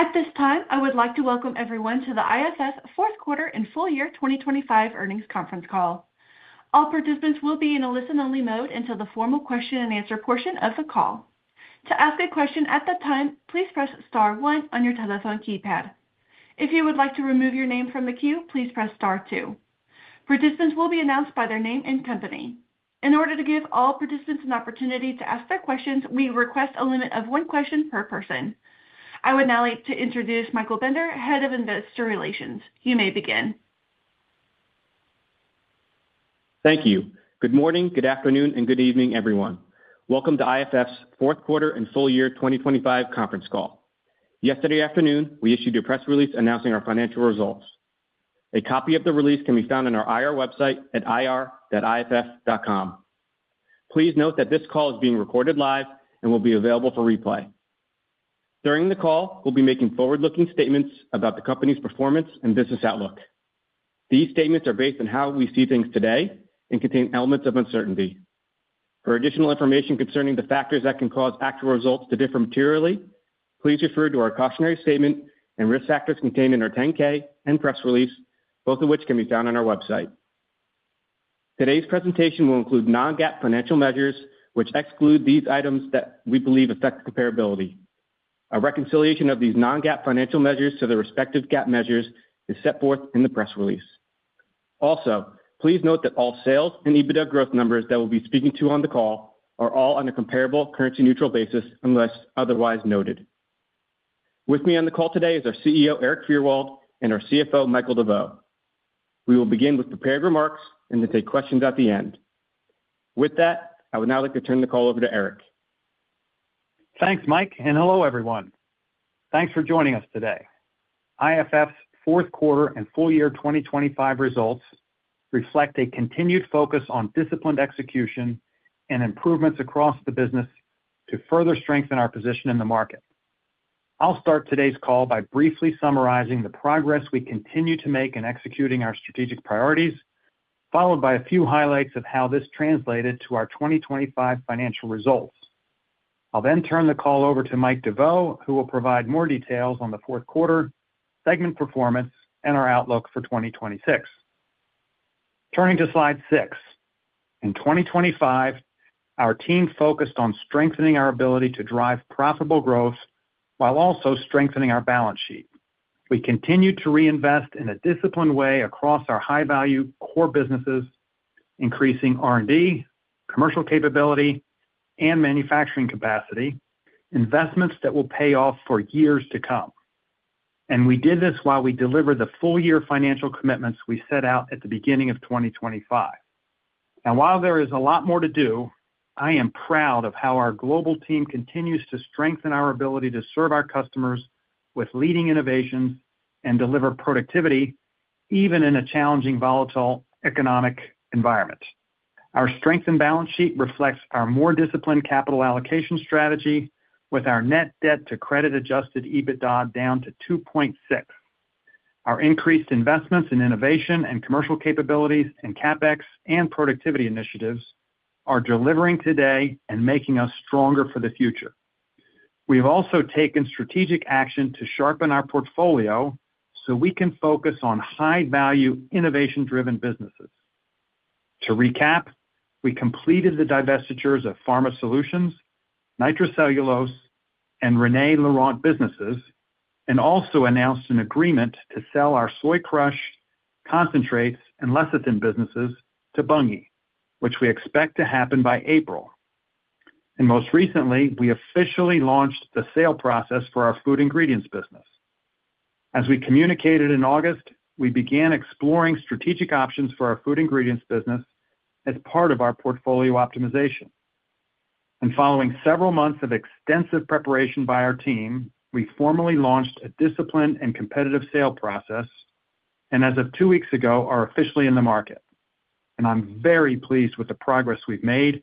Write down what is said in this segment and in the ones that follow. At this time, I would like to welcome everyone to the IFF Fourth Quarter and Full-Year 2025 Earnings Conference Call. All participants will be in a listen-only mode until the formal question and answer portion of the call. To ask a question at that time, please press star one on your telephone keypad. If you would like to remove your name from the queue, please press star two. Participants will be announced by their name and company. In order to give all participants an opportunity to ask their questions, we request a limit of one question per person. I would now like to introduce Michael Bender, Head of Investor Relations. You may begin. Thank you. Good morning, good afternoon, and good evening, everyone. Welcome to IFF's Fourth Quarter and Full-Year 2025 conference call. Yesterday afternoon, we issued a press release announcing our financial results. A copy of the release can be found on our IR website at ir.iff.com. Please note that this call is being recorded live and will be available for replay. During the call, we'll be making forward-looking statements about the company's performance and business outlook. These statements are based on how we see things today and contain elements of uncertainty. For additional information concerning the factors that can cause actual results to differ materially, please refer to our cautionary statement and risk factors contained in our 10-K and press release, both of which can be found on our website. Today's presentation will include non-GAAP financial measures, which exclude these items that we believe affect comparability. A reconciliation of these non-GAAP financial measures to their respective GAAP measures is set forth in the press release. Also, please note that all sales and EBITDA growth numbers that we'll be speaking to on the call are all on a comparable currency-neutral basis, unless otherwise noted. With me on the call today is our CEO, Erik Fyrwald, and our CFO, Michael DeVeau. We will begin with prepared remarks and then take questions at the end. With that, I would now like to turn the call over to Erik. Thanks, Mike, and hello, everyone. Thanks for joining us today. IFF's fourth quarter and full-year 2025 results reflect a continued focus on disciplined execution and improvements across the business to further strengthen our position in the market. I'll start today's call by briefly summarizing the progress we continue to make in executing our strategic priorities, followed by a few highlights of how this translated to our 2025 financial results. I'll then turn the call over to Mike DeVeau, who will provide more details on the fourth quarter segment performance and our outlook for 2026. Turning to Slide 6. In 2025, our team focused on strengthening our ability to drive profitable growth while also strengthening our balance sheet. We continued to reinvest in a disciplined way across our high-value core businesses, increasing R&D, commercial capability, and manufacturing capacity, investments that will pay off for years to come. We did this while we delivered the full-year financial commitments we set out at the beginning of 2025. While there is a lot more to do, I am proud of how our global team continues to strengthen our ability to serve our customers with leading innovations and deliver productivity, even in a challenging, volatile economic environment. Our strength and balance sheet reflects our more disciplined capital allocation strategy, with our net debt to credit-adjusted EBITDA down to 2.6x. Our increased investments in innovation and commercial capabilities and CapEx and productivity initiatives are delivering today and making us stronger for the future. We've also taken strategic action to sharpen our portfolio so we can focus on high-value, innovation-driven businesses. To recap, we completed the divestitures of Pharma Solutions, Nitrocellulose, and René Laurent businesses, and also announced an agreement to sell our Soy Crush, Concentrates, and Lecithin businesses to Bunge, which we expect to happen by April. Most recently, we officially launched the sale process for our Food Ingredients business. As we communicated in August, we began exploring strategic options for our Food Ingredients business as part of our portfolio optimization. Following several months of extensive preparation by our team, we formally launched a disciplined and competitive sale process, and as of two weeks ago, are officially in the market. I'm very pleased with the progress we've made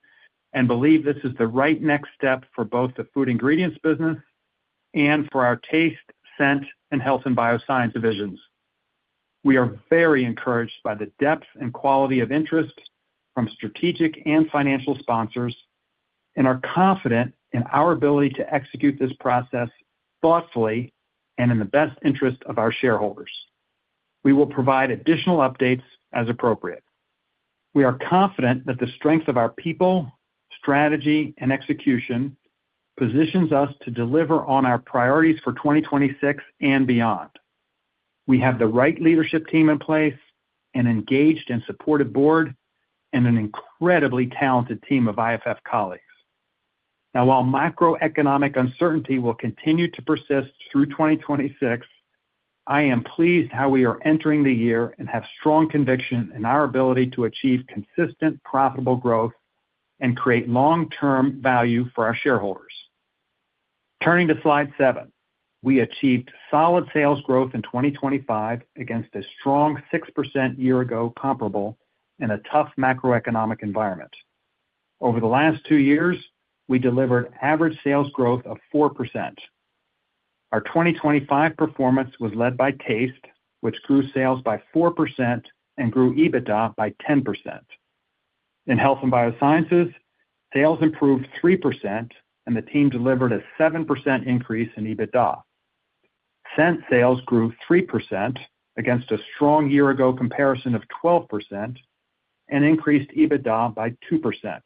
and believe this is the right next step for both the Food Ingredients business and for our Taste, Scent, and Health & Bioscience divisions. We are very encouraged by the depth and quality of interest from strategic and financial sponsors, and are confident in our ability to execute this process thoughtfully and in the best interest of our shareholders. We will provide additional updates as appropriate. We are confident that the strength of our people, strategy, and execution positions us to deliver on our priorities for 2026 and beyond. We have the right leadership team in place, an engaged and supportive board, and an incredibly talented team of IFF colleagues. Now, while macroeconomic uncertainty will continue to persist through 2026, I am pleased how we are entering the year and have strong conviction in our ability to achieve consistent, profitable growth and create long-term value for our shareholders. Turning to Slide 7. We achieved solid sales growth in 2025 against a strong 6% year-ago comparable in a tough macroeconomic environment. Over the last two years, we delivered average sales growth of 4%. Our 2025 performance was led by Taste, which grew sales by 4% and grew EBITDA by 10%. In Health & Biosciences, sales improved 3%, and the team delivered a 7% increase in EBITDA. Scent sales grew 3% against a strong year-ago comparison of 12% and increased EBITDA by 2%.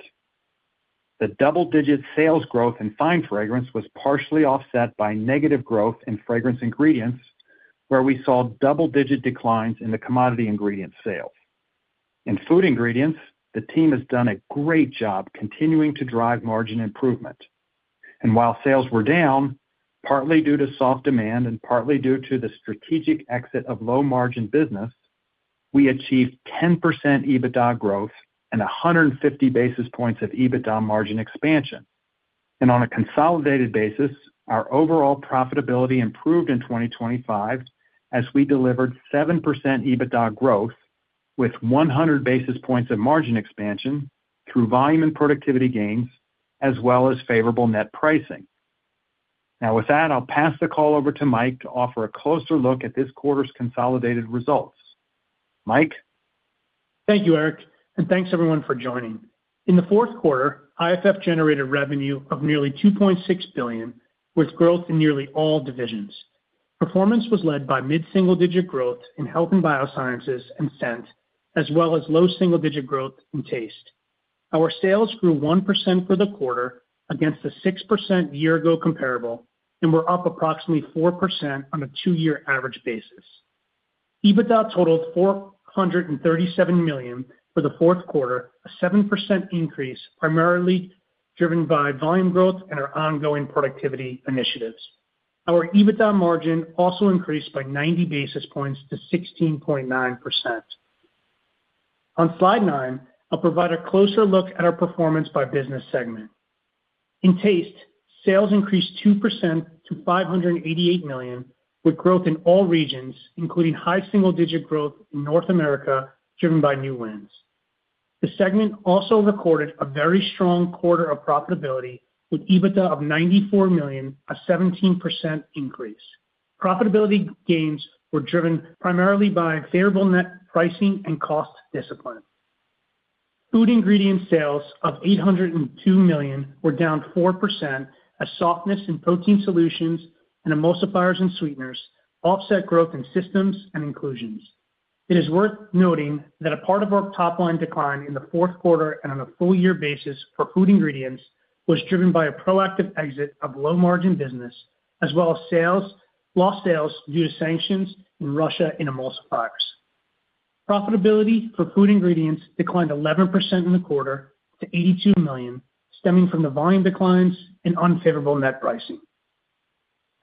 The double-digit sales growth in Fine Fragrance was partially offset by negative growth in Fragrance Ingredients, where we saw double-digit declines in the commodity ingredient sales. In Food Ingredients, the team has done a great job continuing to drive margin improvement. While sales were down, partly due to soft demand and partly due to the strategic exit of low-margin business, we achieved 10% EBITDA growth and 150 basis points of EBITDA margin expansion. On a consolidated basis, our overall profitability improved in 2025 as we delivered 7% EBITDA growth, with 100 basis points of margin expansion through volume and productivity gains, as well as favorable net pricing. Now, with that, I'll pass the call over to Mike to offer a closer look at this quarter's consolidated results. Mike? Thank you, Erik, and thanks everyone for joining. In the fourth quarter, IFF generated revenue of nearly $2.6 billion, with growth in nearly all divisions. Performance was led by mid-single-digit growth in Health & Biosciences and Scent, as well as low single-digit growth in Taste. Our sales grew 1% for the quarter against a 6% year-ago comparable, and were up approximately 4% on a two-year average basis. EBITDA totaled $437 million for the fourth quarter, a 7% increase, primarily driven by volume growth and our ongoing productivity initiatives. Our EBITDA margin also increased by 90 basis points to 16.9%. On Slide 9, I'll provide a closer look at our performance by business segment. In Taste, sales increased 2% to $588 million, with growth in all regions, including high-single-digit growth in North America, driven by new wins. The segment also recorded a very strong quarter of profitability, with EBITDA of $94 million, a 17% increase. Profitability gains were driven primarily by favorable net pricing and cost discipline. Food Ingredient sales of $802 million were down 4%, as softness in Protein Solutions and Emulsifiers and Sweeteners offset growth in Systems and Inclusions. It is worth noting that a part of our top-line decline in the fourth quarter and on a full-year basis for Food Ingredients was driven by a proactive exit of low-margin business, as well as lost sales due to sanctions in Russia and emulsifiers. Profitability for Food Ingredients declined 11% in the quarter to $82 million, stemming from the volume declines and unfavorable net pricing.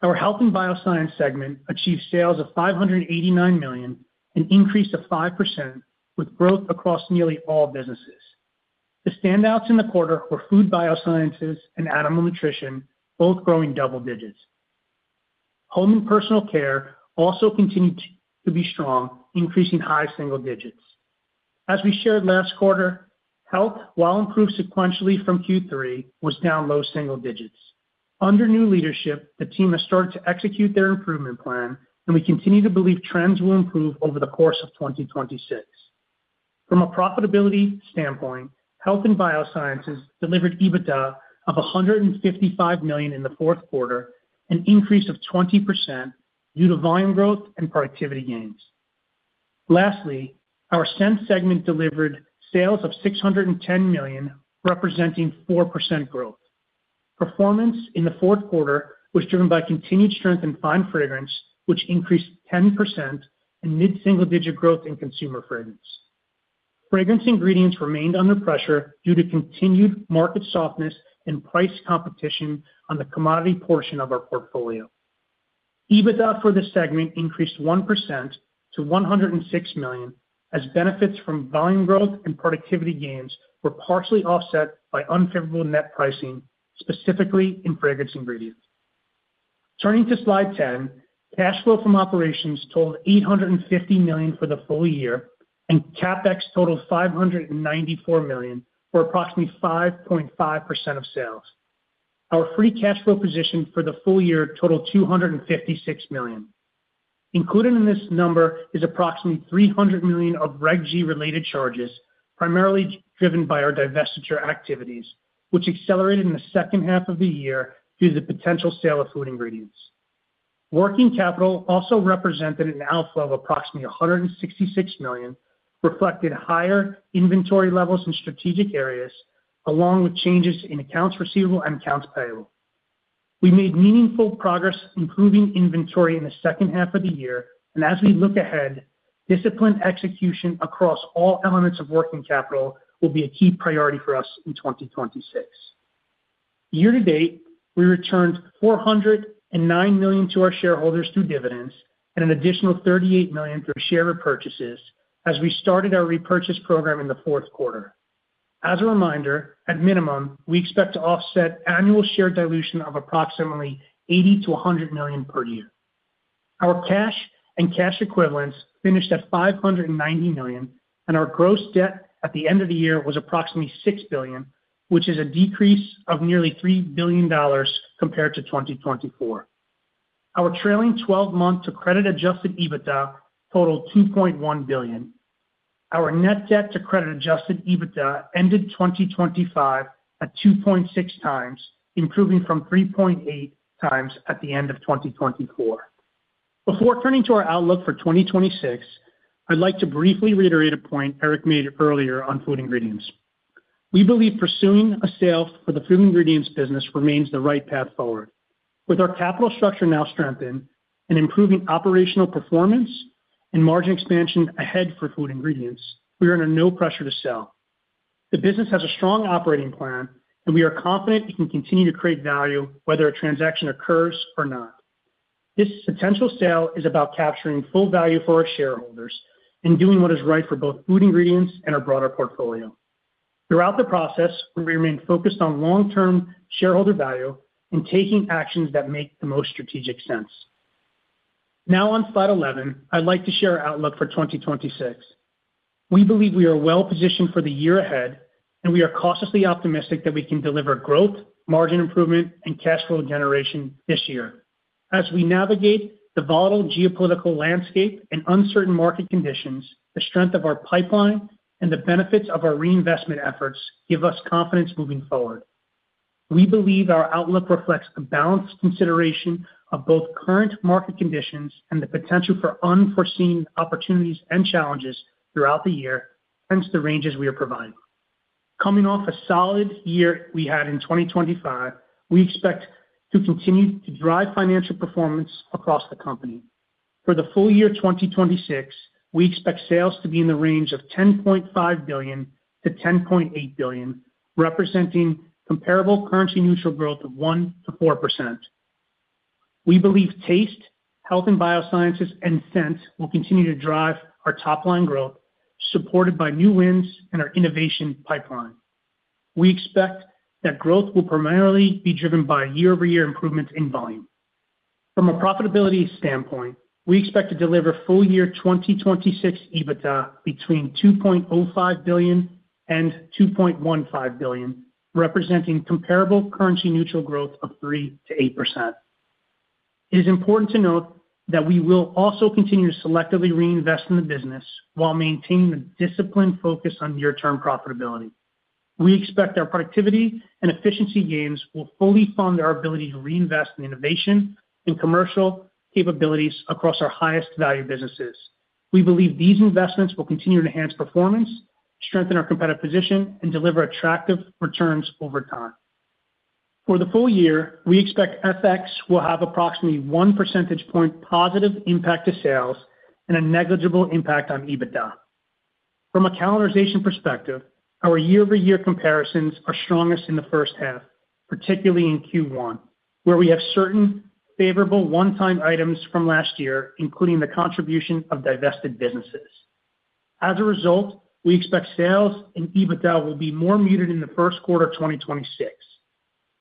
Our Health & Bioscience segment achieved sales of $589 million, an increase of 5%, with growth across nearly all businesses. The standouts in the quarter were Food Biosciences and Animal Nutrition, both growing double digits. Home & Personal Care also continued to be strong, increasing high-single digits. As we shared last quarter, Health, while improved sequentially from Q3, was down low-single digits. Under new leadership, the team has started to execute their improvement plan, and we continue to believe trends will improve over the course of 2026. From a profitability standpoint, Health & Biosciences delivered EBITDA of $155 million in the fourth quarter, an increase of 20% due to volume growth and productivity gains. Lastly, our Scent segment delivered sales of $610 million, representing 4% growth. Performance in the fourth quarter was driven by continued strength in Fine Fragrance, which increased 10% and mid-single-digit growth in Consumer Fragrance. Fragrance Ingredients remained under pressure due to continued market softness and price competition on the commodity portion of our portfolio. EBITDA for this segment increased 1% to $106 million, as benefits from volume growth and productivity gains were partially offset by unfavorable net pricing, specifically in Fragrance Ingredients. Turning to Slide 10, cash flow from operations totaled $850 million for the full year, and CapEx totaled $594 million, or approximately 5.5% of sales. Our Free Cash Flow position for the full year totaled $256 million. Included in this number is approximately $300 million of Reg G-related charges, primarily driven by our divestiture activities, which accelerated in the second half of the year due to the potential sale of Food Ingredients. Working capital also represented an outflow of approximately $166 million, reflected higher inventory levels in strategic areas, along with changes in accounts receivable and accounts payable. We made meaningful progress improving inventory in the second half of the year, and as we look ahead, disciplined execution across all elements of working capital will be a key priority for us in 2026. Year to date, we returned $409 million to our shareholders through dividends and an additional $38 million through share repurchases as we started our repurchase program in the fourth quarter. As a reminder, at minimum, we expect to offset annual share dilution of approximately $80 million-$100 million per year. Our cash and cash equivalents finished at $590 million, and our gross debt at the end of the year was approximately $6 billion, which is a decrease of nearly $3 billion compared to 2024. Our trailing 12 months net debt to credit-adjusted EBITDA totaled $2.1 billion. Our net debt to credit-adjusted EBITDA ended 2025 at 2.6x, improving from 3.8x at the end of 2024. Before turning to our outlook for 2026, I'd like to briefly reiterate a point Erik made earlier on Food Ingredients. We believe pursuing a sale for the Food Ingredients business remains the right path forward. With our capital structure now strengthened and improving operational performance and margin expansion ahead for Food Ingredients, we are under no pressure to sell. The business has a strong operating plan, and we are confident it can continue to create value, whether a transaction occurs or not. This potential sale is about capturing full value for our shareholders and doing what is right for both Food Ingredients and our broader portfolio. Throughout the process, we remain focused on long-term shareholder value and taking actions that make the most strategic sense. Now on Slide 11, I'd like to share our outlook for 2026. We believe we are well positioned for the year ahead, and we are cautiously optimistic that we can deliver growth, margin improvement, and cash flow generation this year. As we navigate the volatile geopolitical landscape and uncertain market conditions, the strength of our pipeline and the benefits of our reinvestment efforts give us confidence moving forward. We believe our outlook reflects a balanced consideration of both current market conditions and the potential for unforeseen opportunities and challenges throughout the year, hence the ranges we are providing. Coming off a solid year we had in 2025, we expect to continue to drive financial performance across the company. For the full-year 2026, we expect sales to be in the range of $10.5 billion-$10.8 billion, representing comparable currency neutral growth of 1%-4%. We believe Taste, Health & Biosciences, and Scent will continue to drive our top-line growth, supported by new wins and our innovation pipeline. We expect that growth will primarily be driven by year-over-year improvements in volume. From a profitability standpoint, we expect to deliver full-year 2026 EBITDA between $2.05 billion-$2.15 billion, representing comparable currency neutral growth of 3% to 8%. It is important to note that we will also continue to selectively reinvest in the business while maintaining a disciplined focus on near-term profitability. We expect our productivity and efficiency gains will fully fund our ability to reinvest in innovation and commercial capabilities across our highest value businesses. We believe these investments will continue to enhance performance, strengthen our competitive position, and deliver attractive returns over time. For the full year, we expect FX will have approximately 1 percentage point positive impact to sales and a negligible impact on EBITDA. From a calendarization perspective, our year-over-year comparisons are strongest in the first half, particularly in Q1, where we have certain favorable one-time items from last year, including the contribution of divested businesses. As a result, we expect sales and EBITDA will be more muted in the first quarter of 2026.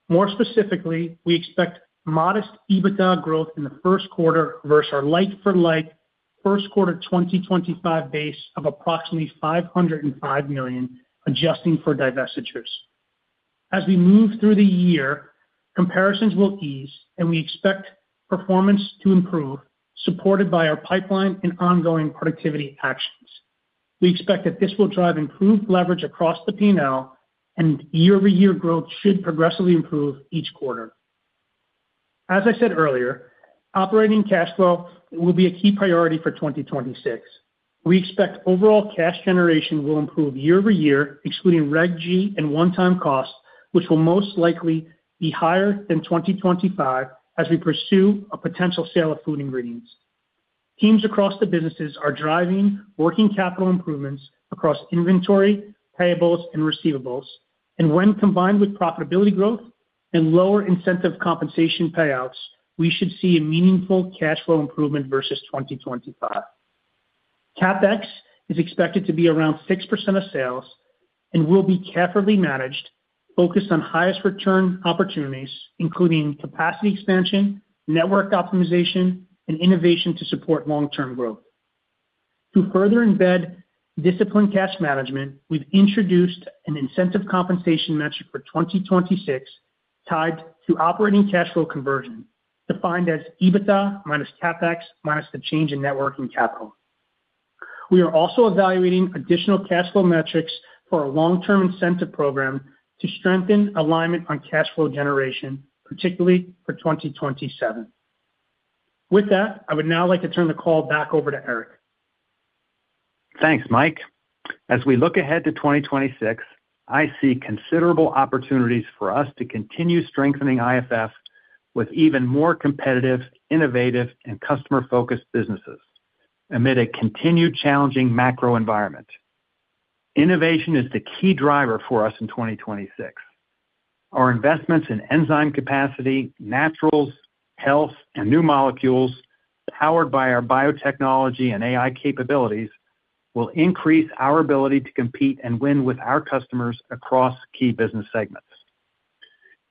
More specifically, we expect modest EBITDA growth in the first quarter versus our like-for-like first quarter 2025 base of approximately $505 million, adjusting for divestitures. As we move through the year, comparisons will ease, and we expect performance to improve, supported by our pipeline and ongoing productivity actions. We expect that this will drive improved leverage across the P&L, and year-over-year growth should progressively improve each quarter. As I said earlier, operating cash flow will be a key priority for 2026. We expect overall cash generation will improve year-over-year, excluding Reg G and one-time costs, which will most likely be higher than 2025 as we pursue a potential sale of Food Ingredients. Teams across the businesses are driving working capital improvements across inventory, payables, and receivables, and when combined with profitability growth and lower incentive compensation payouts, we should see a meaningful cash flow improvement versus 2025. CapEx is expected to be around 6% of sales and will be carefully managed, focused on highest return opportunities, including capacity expansion, network optimization, and innovation to support long-term growth. To further embed disciplined cash management, we've introduced an incentive compensation metric for 2026 tied to operating cash flow conversion, defined as EBITDA minus CapEx minus the change in net working capital. We are also evaluating additional cash flow metrics for our long-term incentive program to strengthen alignment on cash flow generation, particularly for 2027. With that, I would now like to turn the call back over to Erik. Thanks, Mike. As we look ahead to 2026, I see considerable opportunities for us to continue strengthening IFF with even more competitive, innovative, and customer-focused businesses amid a continued challenging macro environment. Innovation is the key driver for us in 2026. Our investments in enzyme capacity, naturals, Health, and new molecules, powered by our biotechnology and AI capabilities, will increase our ability to compete and win with our customers across key business segments.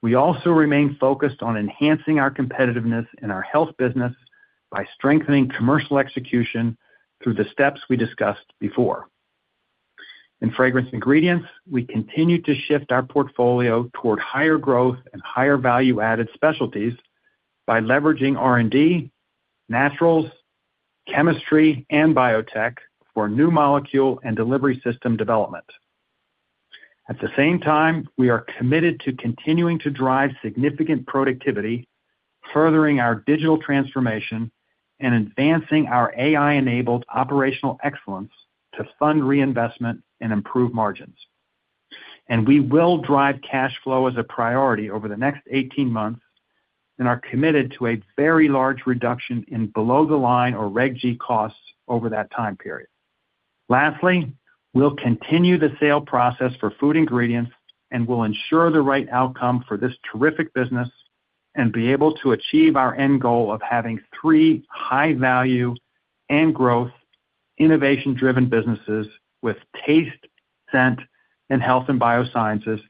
We also remain focused on enhancing our competitiveness in our Health business by strengthening commercial execution through the steps we discussed before. In Fragrance Ingredients, we continue to shift our portfolio toward higher growth and higher value-added specialties by leveraging R&D, naturals, chemistry, and biotech for new molecule and delivery system development. At the same time, we are committed to continuing to drive significant productivity, furthering our digital transformation, and advancing our AI-enabled operational excellence to fund reinvestment and improve margins. We will drive cash flow as a priority over the next 18 months and are committed to a very large reduction in below the line or Reg G costs over that time period. Lastly, we'll continue the sale process for Food Ingredients, and we'll ensure the right outcome for this terrific business and be able to achieve our end goal of having three high value and growth, innovation-driven businesses with Taste, Scent, and Health & Biosciences,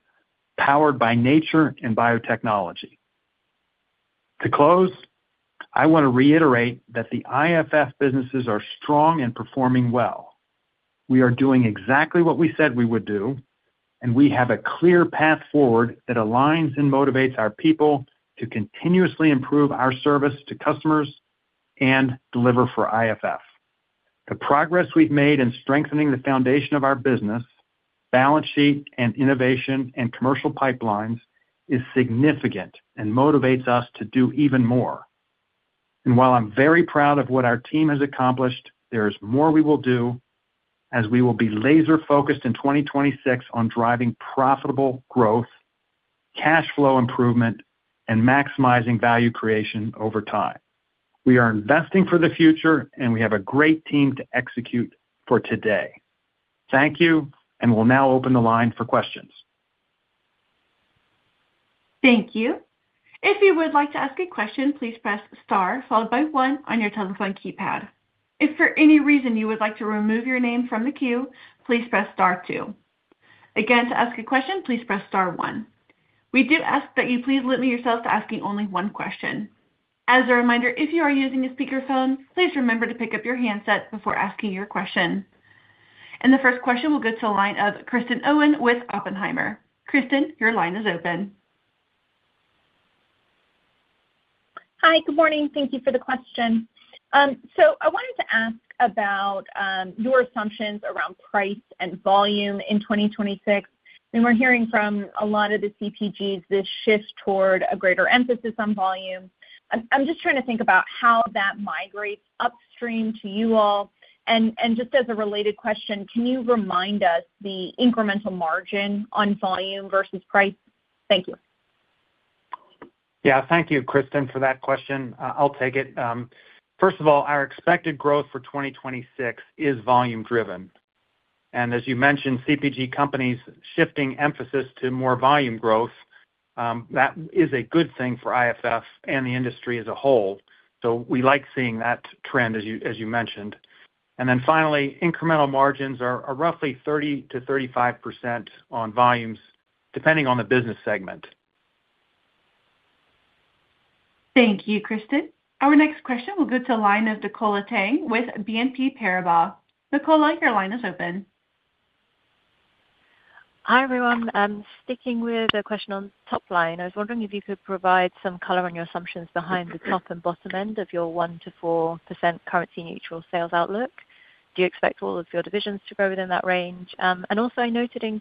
powered by nature and biotechnology. To close, I want to reiterate that the IFF businesses are strong and performing well. We are doing exactly what we said we would do, and we have a clear path forward that aligns and motivates our people to continuously improve our service to customers and deliver for IFF. The progress we've made in strengthening the foundation of our business, balance sheet, and innovation and commercial pipelines, is significant and motivates us to do even more. And while I'm very proud of what our team has accomplished, there is more we will do as we will be laser focused in 2026 on driving profitable growth, cash flow improvement, and maximizing value creation over time. We are investing for the future, and we have a great team to execute for today. Thank you, and we'll now open the line for questions. Thank you. If you would like to ask a question, please press star, followed by one on your telephone keypad. If for any reason you would like to remove your name from the queue, please press star two. Again, to ask a question, please press star one. We do ask that you please limit yourself to asking only one question. As a reminder, if you are using a speakerphone, please remember to pick up your handset before asking your question. The first question will go to the line of Kristen Owen with Oppenheimer. Kristen, your line is open. Hi, good morning. Thank you for the question. So I wanted to ask about your assumptions around price and volume in 2026. And we're hearing from a lot of the CPGs, this shift toward a greater emphasis on volume. I'm, I'm just trying to think about how that migrates upstream to you all. And, and just as a related question, can you remind us the incremental margin on volume versus price? Thank you. Yeah. Thank you, Kristen, for that question. I'll take it. First of all, our expected growth for 2026 is volume driven, and as you mentioned, CPG companies shifting emphasis to more volume growth, that is a good thing for IFF and the industry as a whole. So we like seeing that trend, as you mentioned. And then finally, incremental margins are roughly 30%-35% on volumes, depending on the business segment. Thank you, Kristen. Our next question will go to the line of Nicola Tang with BNP Paribas. Nicola, your line is open. Hi, everyone. I'm sticking with a question on top line. I was wondering if you could provide some color on your assumptions behind the top and bottom end of your 1%-4% Currency Neutral sales outlook. Do you expect all of your divisions to grow within that range? And also I noted in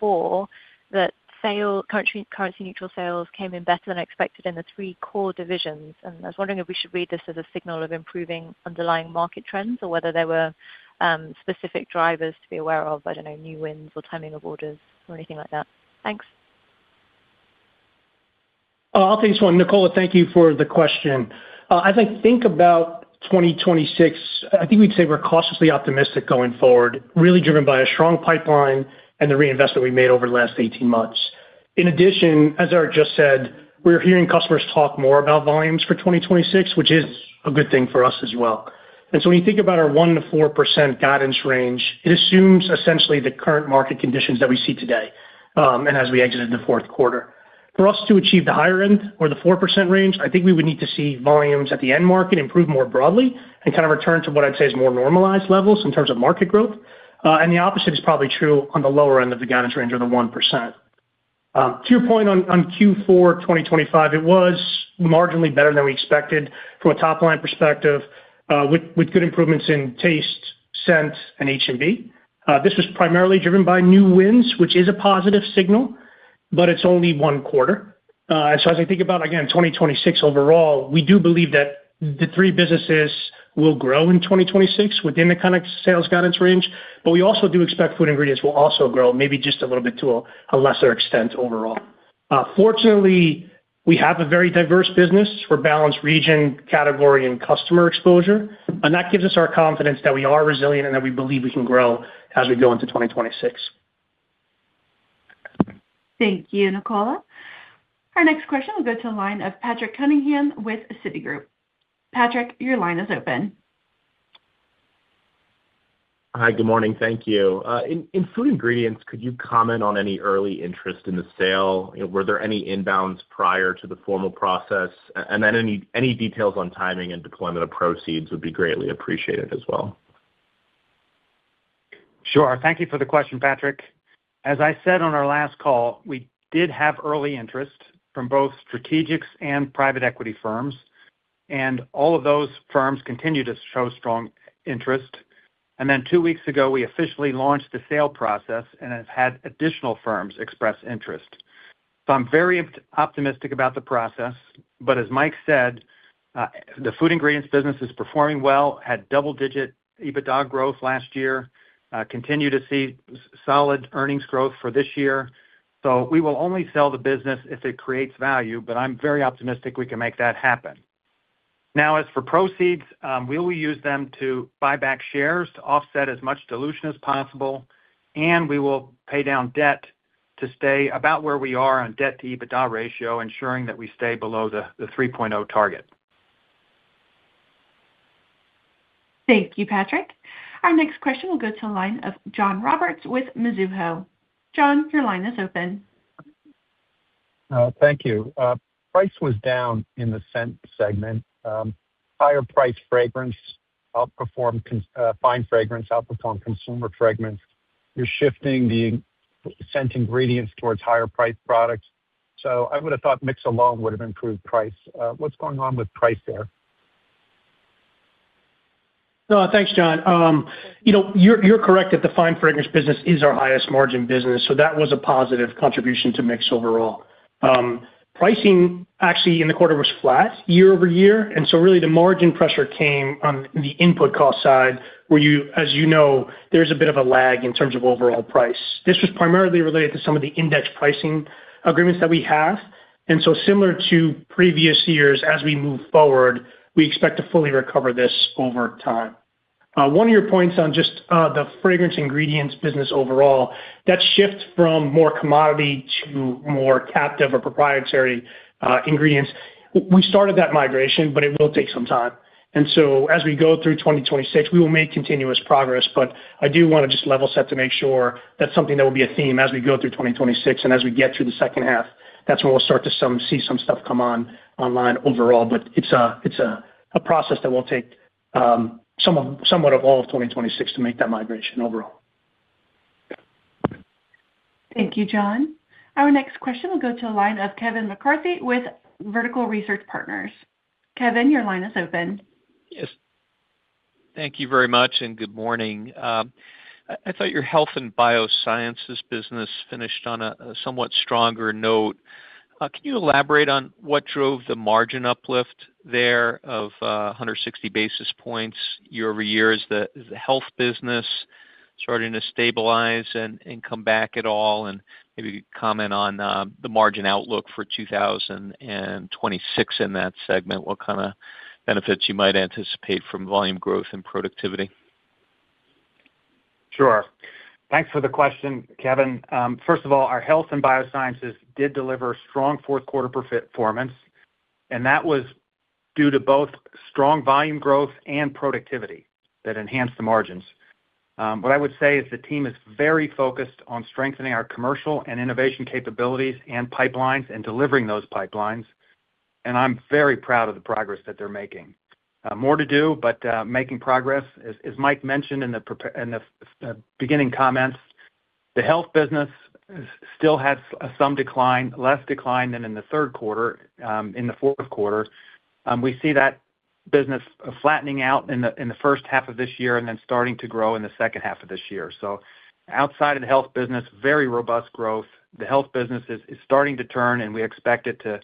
Q4 that currency neutral sales came in better than expected in the three core divisions, and I was wondering if we should read this as a signal of improving underlying market trends, or whether there were specific drivers to be aware of, I don't know, new wins or timing of orders or anything like that? Thanks. I'll take this one. Nicola, thank you for the question. As I think about 2026, I think we'd say we're cautiously optimistic going forward, really driven by a strong pipeline and the reinvestment we made over the last 18 months. In addition, as Erik just said, we're hearing customers talk more about volumes for 2026, which is a good thing for us as well. And so when you think about our 1%-4% guidance range, it assumes essentially the current market conditions that we see today, and as we exited the fourth quarter. For us to achieve the higher end or the 4% range, I think we would need to see volumes at the end market improve more broadly and kind of return to what I'd say is more normalized levels in terms of market growth. And the opposite is probably true on the lower end of the guidance range or the 1%. To your point on Q4 2025, it was marginally better than we expected from a top-line perspective, with good improvements in Taste, Scent and H&B. This was primarily driven by new wins, which is a positive signal, but it's only one quarter. And so as I think about, again, 2026 overall, we do believe that the three businesses will grow in 2026 within the kind of sales guidance range, but we also do expect Food Ingredients will also grow maybe just a little bit to a lesser extent overall. Fortunately, we have a very diverse business for balanced region, category, and customer exposure, and that gives us our confidence that we are resilient and that we believe we can grow as we go into 2026. Thank you, Nicola. Our next question will go to the line of Patrick Cunningham with Citigroup. Patrick, your line is open. Hi, good morning. Thank you. In Food Ingredients, could you comment on any early interest in the sale? Were there any inbounds prior to the formal process? And then any details on timing and deployment of proceeds would be greatly appreciated as well. Sure. Thank you for the question, Patrick. As I said on our last call, we did have early interest from both strategics and private equity firms, and all of those firms continue to show strong interest. And then two weeks ago, we officially launched the sale process and have had additional firms express interest. So I'm very optimistic about the process. But as Mike said, the Food Ingredients business is performing well, had double-digit EBITDA growth last year, continue to see solid earnings growth for this year. So we will only sell the business if it creates value, but I'm very optimistic we can make that happen. Now, as for proceeds, we will use them to buy back shares to offset as much dilution as possible, and we will pay down debt to stay about where we are on debt-to-EBITDA ratio, ensuring that we stay below the 3.0x target. Thank you, Patrick. Our next question will go to the line of John Roberts with Mizuho. John, your line is open. Thank you. Price was down in the Scent segment. Higher price fragrance outperformed Fine Fragrance, outperformed Consumer Fragrance. You're shifting the Scent ingredients towards higher priced products, so I would have thought mix alone would have improved price. What's going on with price there? No, thanks, John. You know, you're, you're correct that the Fine Fragrance business is our highest margin business, so that was a positive contribution to mix overall. Pricing actually in the quarter was flat year-over-year, and so really the margin pressure came on the input cost side, where, as you know, there's a bit of a lag in terms of overall price. This was primarily related to some of the index pricing agreements that we have. And so similar to previous years, as we move forward, we expect to fully recover this over time. One of your points on just the Fragrance Ingredients business overall, that shift from more commodity to more captive or proprietary ingredients, we started that migration, but it will take some time. So as we go through 2026, we will make continuous progress, but I do want to just level set to make sure that's something that will be a theme as we go through 2026 and as we get through the second half. That's when we'll start to see some stuff come online overall, but it's a process that will take somewhat of all of 2026 to make that migration overall. Thank you, John. Our next question will go to the line of Kevin McCarthy with Vertical Research Partners. Kevin, your line is open. Yes. Thank you very much, and good morning. I thought your Health & Biosciences business finished on a somewhat stronger note. Can you elaborate on what drove the margin uplift there of 160 basis points year-over-year? Is the Health business starting to stabilize and come back at all? And maybe comment on the margin outlook for 2026 in that segment, what kind of benefits you might anticipate from volume growth and productivity? Sure. Thanks for the question, Kevin. First of all, our Health & Biosciences did deliver strong fourth quarter performance, and that was due to both strong volume growth and productivity that enhanced the margins. What I would say is the team is very focused on strengthening our commercial and innovation capabilities and pipelines and delivering those pipelines, and I'm very proud of the progress that they're making. More to do, but making progress. As Mike mentioned in the beginning comments, the Health business still has some decline, less decline than in the third quarter, in the fourth quarter. We see that business flattening out in the first half of this year, and then starting to grow in the second half of this year. So outside of the Health business, very robust growth. The Health business is starting to turn, and we expect it to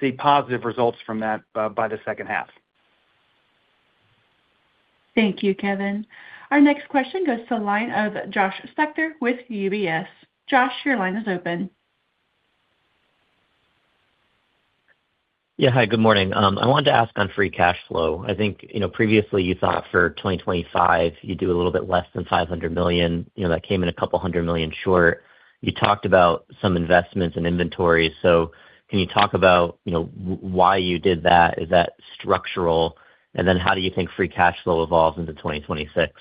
see positive results from that by the second half. Thank you, Kevin. Our next question goes to the line of Josh Spector with UBS. Josh, your line is open. Yeah. Hi, good morning. I wanted to ask on Free Cash Flow. I think, you know, previously you thought for 2025, you'd do a little bit less than $500 million. You know, that came in $200 million short. You talked about some investments in inventory. So can you talk about, you know, why you did that? Is that structural? And then how do you think Free Cash Flow evolves into 2026?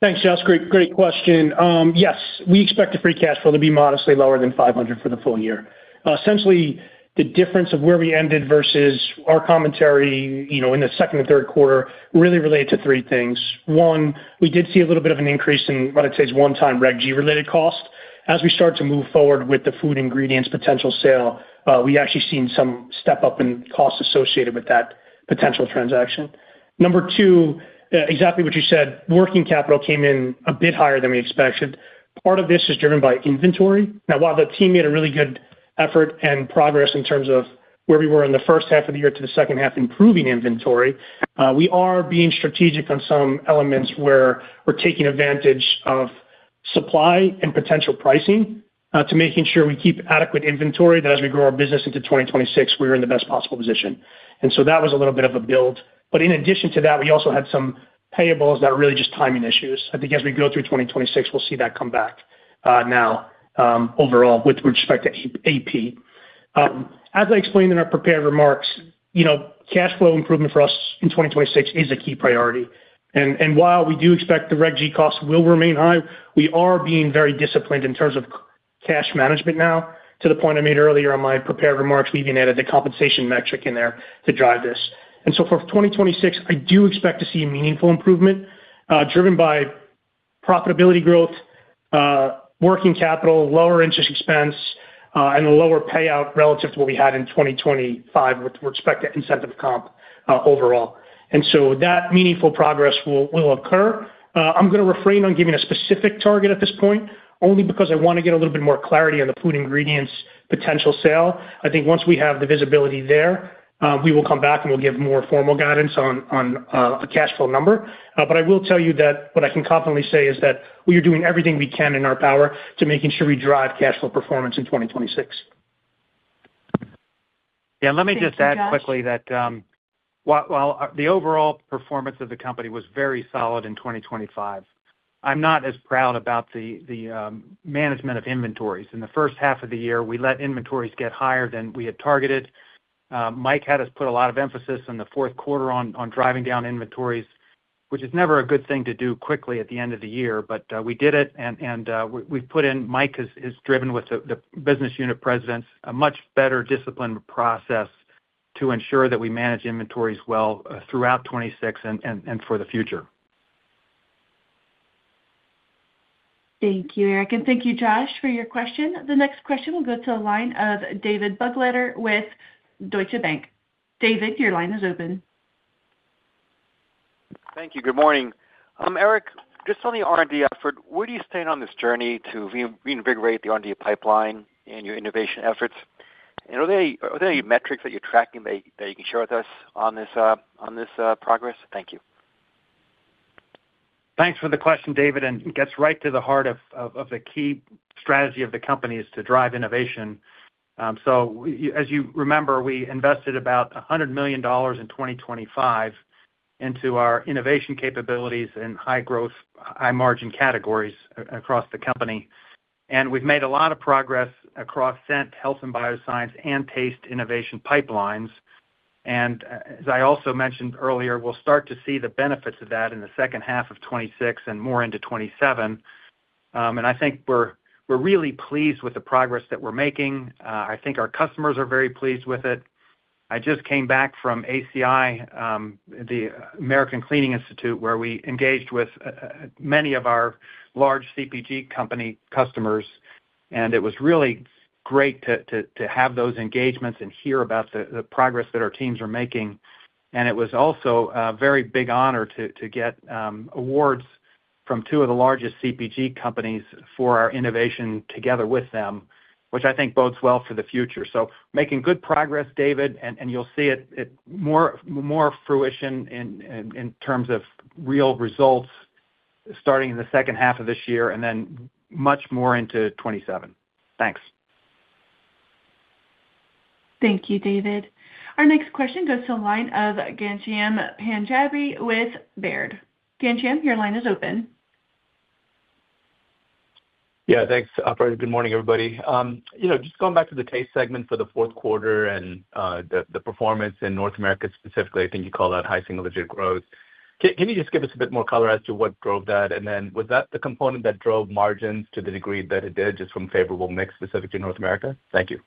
Thanks, Josh. Great, great question. Yes, we expect the Free Cash Flow to be modestly lower than $500 million for the full year. Essentially, the difference of where we ended versus our commentary, you know, in the second and third quarter, really related to three things. One, we did see a little bit of an increase in, what I'd say, is one-time Reg G-related cost. As we start to move forward with the Food Ingredients potential sale, we actually seen some step up in costs associated with that potential transaction. Number two, exactly what you said, working capital came in a bit higher than we expected. Part of this is driven by inventory. Now, while the team made a really good effort and progress in terms of where we were in the first half of the year to the second half, improving inventory, we are being strategic on some elements where we're taking advantage of supply and potential pricing, to making sure we keep adequate inventory that as we grow our business into 2026, we're in the best possible position. And so that was a little bit of a build. But in addition to that, we also had some payables that are really just timing issues. I think as we go through 2026, we'll see that come back, now, overall, with respect to AP. As I explained in our prepared remarks, you know, cash flow improvement for us in 2026 is a key priority. While we do expect the Reg G costs will remain high, we are being very disciplined in terms of cash management now, to the point I made earlier on my prepared remarks, we've even added a compensation metric in there to drive this. And so for 2026, I do expect to see a meaningful improvement, driven by profitability growth, working capital, lower interest expense, and a lower payout relative to what we had in 2025 with respect to incentive comp, overall. And so that meaningful progress will, will occur. I'm gonna refrain on giving a specific target at this point, only because I wanna get a little bit more clarity on the Food Ingredients potential sale. I think once we have the visibility there, we will come back, and we'll give more formal guidance on a cash flow number. But I will tell you that what I can confidently say is that we are doing everything we can in our power to making sure we drive cash flow performance in 2026. Yeah, let me just add quickly that while, while the overall performance of the company was very solid in 2025, I'm not as proud about the management of inventories. In the first half of the year, we let inventories get higher than we had targeted. Mike had us put a lot of emphasis in the fourth quarter on driving down inventories, which is never a good thing to do quickly at the end of the year. But we did it, and Mike has driven with the business unit presidents a much better disciplined process to ensure that we manage inventories well throughout 2026 and for the future. Thank you, Erik, and thank you, Josh, for your question. The next question will go to the line of David Begleiter with Deutsche Bank. David, your line is open. Thank you. Good morning. Erik, just on the R&D effort, where do you stand on this journey to reinvigorate the R&D pipeline and your innovation efforts? And are there any metrics that you're tracking that you can share with us on this progress? Thank you. Thanks for the question, David, and it gets right to the heart of the key strategy of the company is to drive innovation. So as you remember, we invested about $100 million in 2025 into our innovation capabilities and high growth, high margin categories across the company. We've made a lot of progress across Scent, Health & Bioscience, and Taste innovation pipelines. As I also mentioned earlier, we'll start to see the benefits of that in the second half of 2026 and more into 2027. I think we're really pleased with the progress that we're making. I think our customers are very pleased with it. I just came back from ACI, the American Cleaning Institute, where we engaged with many of our large CPG company customers, and it was really great to have those engagements and hear about the progress that our teams are making. And it was also a very big honor to get awards from two of the largest CPG companies for our innovation together with them, which I think bodes well for the future. So making good progress, David, and you'll see it more fruition in terms of real results starting in the second half of this year and then much more into 2027. Thanks. Thank you, David. Our next question goes to the line of Ghansham Panjabi with Baird. Ghansham, your line is open. Yeah, thanks, operator. Good morning, everybody. You know, just going back to the Taste segment for the fourth quarter and, the performance in North America, specifically, I think you call that high-single-digit growth. Can you just give us a bit more color as to what drove that? And then was that the component that drove margins to the degree that it did, just from favorable mix specific to North America? Thank you.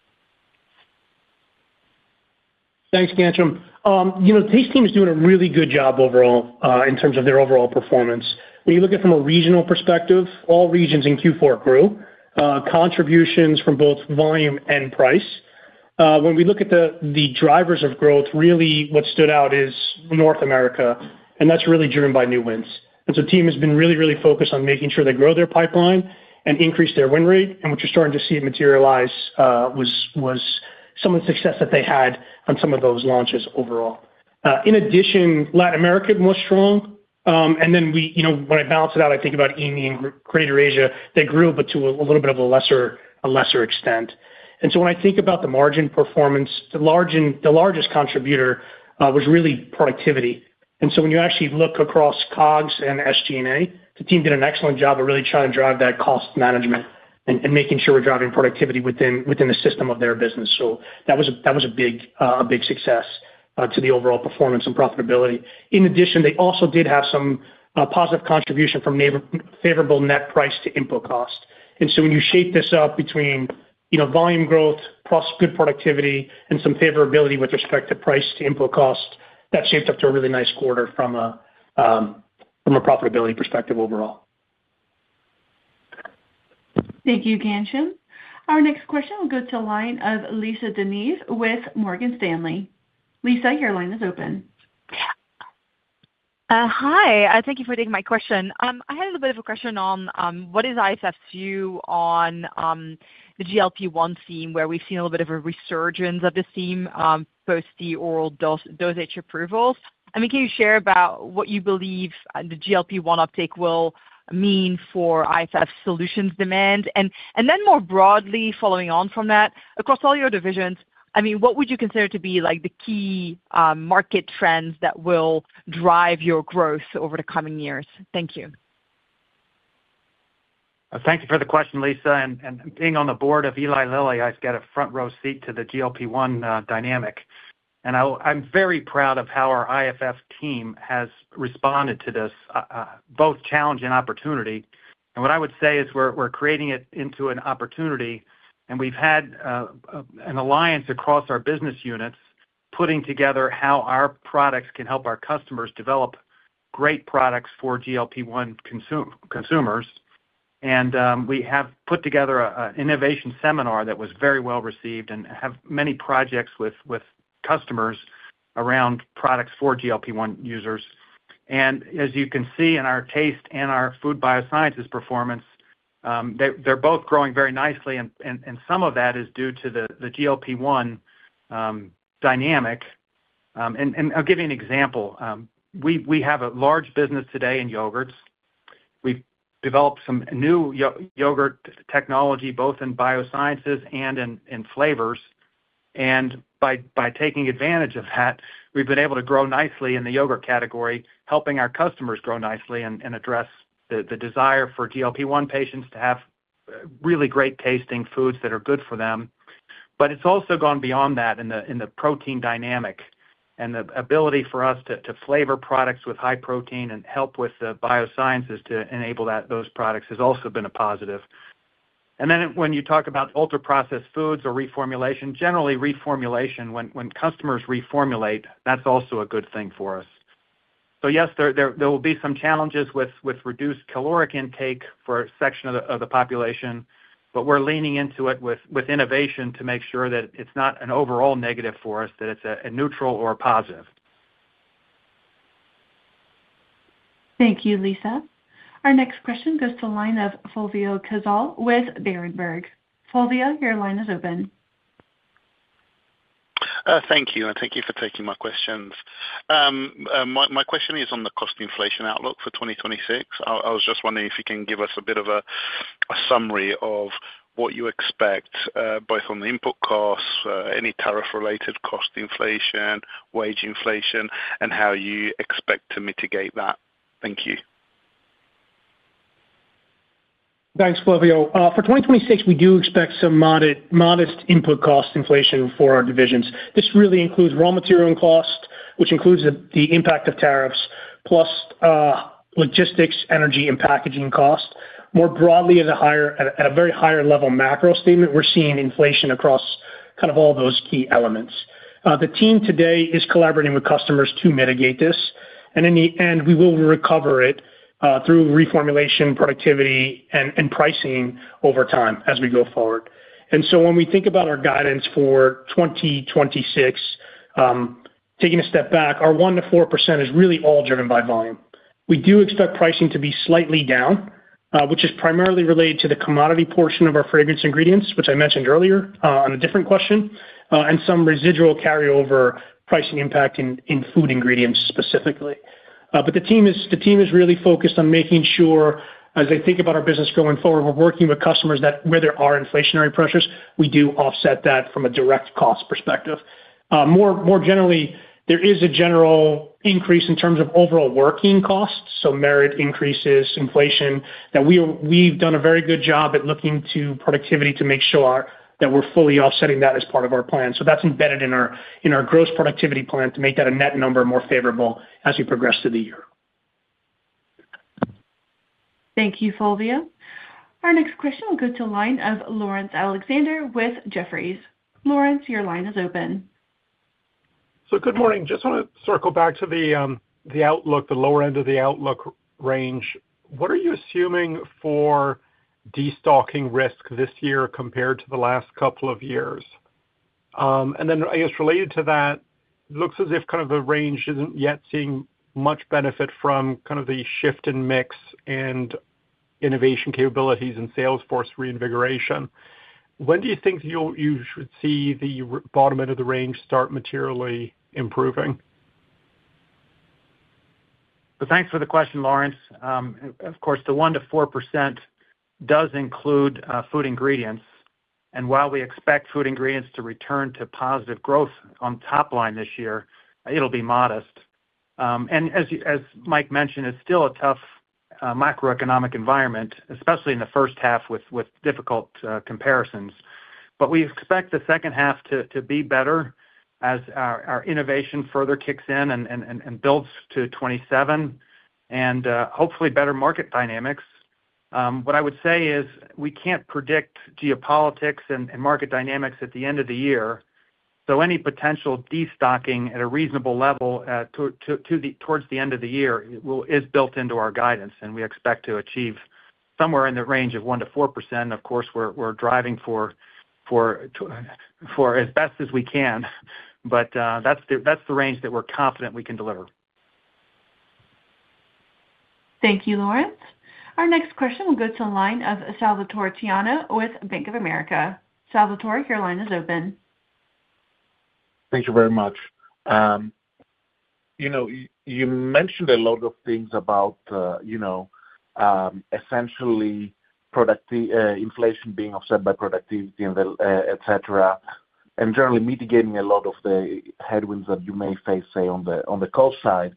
Thanks, Ghansham. You know, the Taste team is doing a really good job overall in terms of their overall performance. When you look at it from a regional perspective, all regions in Q4 grew, contributions from both volume and price. When we look at the drivers of growth, really what stood out is North America, and that's really driven by new wins. And so the team has been really, really focused on making sure they grow their pipeline and increase their win rate. And what you're starting to see materialize was some of the success that they had on some of those launches overall. In addition, Latin America was strong, and then we, you know, when I balance it out, I think about EMEA and Greater Asia, they grew, but to a little bit of a lesser extent. And so when I think about the margin performance, the largest contributor was really productivity. And so when you actually look across COGS and SG&A, the team did an excellent job of really trying to drive that cost management and making sure we're driving productivity within the system of their business. So that was a big success to the overall performance and profitability. In addition, they also did have some positive contribution from favorable net price to input cost. And so when you shape this up between, you know, volume growth, plus good productivity and some favorability with respect to price to input cost, that shaped up to a really nice quarter from a profitability perspective overall. Thank you, Ghansham. Our next question will go to the line of Lisa De Neve with Morgan Stanley. Lisa, your line is open. Hi, thank you for taking my question. I had a little bit of a question on, what is IFF's view on, the GLP-1 theme, where we've seen a little bit of a resurgence of this theme, post the oral dose, dosage approvals? I mean, can you share about what you believe, the GLP-1 uptake will mean for IFF's solutions demand? And, then more broadly, following on from that, across all your divisions, I mean, what would you consider to be, like, the key, market trends that will drive your growth over the coming years? Thank you. Thank you for the question, Lisa. And, being on the board of Eli Lilly, I've got a front row seat to the GLP-1, dynamic. And I'm very proud of how our IFF team has responded to this both challenge and opportunity. And what I would say is we're creating it into an opportunity, and we've had an alliance across our business units, putting together how our products can help our customers develop great products for GLP-1 consumers. And we have put together an innovation seminar that was very well received and have many projects with customers around products for GLP-1 users. And as you can see in our Taste and our Food Biosciences performance, they're both growing very nicely, and some of that is due to the GLP-1 dynamic. And I'll give you an example. We have a large business today in yogurts. We've developed some new yogurt technology, both in biosciences and in flavors. And by taking advantage of that, we've been able to grow nicely in the yogurt category, helping our customers grow nicely and address the desire for GLP-1 patients to have really great tasting foods that are good for them. But it's also gone beyond that in the protein dynamic and the ability for us to flavor products with high protein and help with the biosciences to enable those products, has also been a positive. And then when you talk about ultra-processed foods or reformulation, generally reformulation, when customers reformulate, that's also a good thing for us. So yes, there will be some challenges with reduced caloric intake for a section of the population, but we're leaning into it with innovation to make sure that it's not an overall negative for us, that it's a neutral or a positive. Thank you, Lisa. Our next question goes to line of Fulvio Cazzol with Berenberg. Fulvio, your line is open. Thank you, and thank you for taking my questions. My question is on the cost inflation outlook for 2026. I was just wondering if you can give us a bit of a summary of what you expect, both on the input costs, any tariff-related cost inflation, wage inflation, and how you expect to mitigate that. Thank you. Thanks, Fulvio. For 2026, we do expect some modest, modest input cost inflation for our divisions. This really includes raw material and cost, which includes the impact of tariffs, plus logistics, energy, and packaging cost. More broadly, at a very high level macro statement, we're seeing inflation across kind of all those key elements. The team today is collaborating with customers to mitigate this, and in the end, we will recover it through reformulation, productivity, and pricing over time as we go forward. So when we think about our guidance for 2026, taking a step back, our 1%-4% is really all driven by volume. We do expect pricing to be slightly down, which is primarily related to the commodity portion of our Fragrance Ingredients, which I mentioned earlier, on a different question, and some residual carryover pricing impact in Food Ingredients, specifically. But the team is really focused on making sure, as I think about our business going forward, we're working with customers that where there are inflationary pressures, we do offset that from a direct cost perspective. More generally, there is a general increase in terms of overall working costs, so merit increases, inflation, that we've done a very good job at looking to productivity to make sure that we're fully offsetting that as part of our plan. So that's embedded in our gross productivity plan to make that a net number more favorable as we progress through the year. Thank you, Fulvio. Our next question will go to line of Laurence Alexander with Jefferies. Laurence, your line is open. Good morning. Just wanna circle back to the outlook, the lower end of the outlook range. What are you assuming for destocking risk this year compared to the last couple of years? And then I guess related to that, looks as if kind of the range isn't yet seeing much benefit from kind of the shift in mix and innovation capabilities and sales force reinvigoration. When do you think you should see the bottom end of the range start materially improving? Thanks for the question, Laurence. Of course, the 1%-4% does include Food Ingredients, and while we expect Food Ingredients to return to positive growth on top line this year, it'll be modest. And as you, as Mike mentioned, it's still a tough macroeconomic environment, especially in the first half with difficult comparisons. But we expect the second half to be better as our innovation further kicks in and builds to 2027 and hopefully better market dynamics. What I would say is, we can't predict geopolitics and market dynamics at the end of the year, so any potential destocking at a reasonable level towards the end of the year is built into our guidance, and we expect to achieve somewhere in the range of 1%-4%. Of course, we're driving for as best as we can, but that's the range that we're confident we can deliver. Thank you, Laurence. Our next question will go to the line of Salvator Tiano with Bank of America. Salvator, your line is open. Thank you very much. You know, you mentioned a lot of things about, you know, essentially, inflation being offset by productivity and the, et cetera, and generally mitigating a lot of the headwinds that you may face, say, on the, on the cost side.